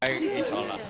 baik insya allah